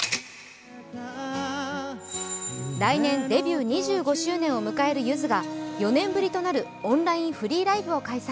来年デビュー２５周年を迎えるゆずが４年ぶりとなるオンラインフリーライブを開催。